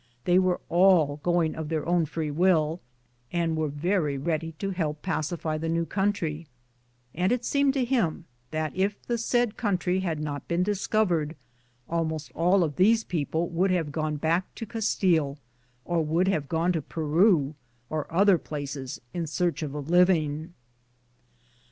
They were all going of their own free will, and were very ready to help pacify the new country, and it seemed to him that if the said country had not been discovered, almost all of these people would have gone back to Castile, or would have gone to Peru or other places in search of a living.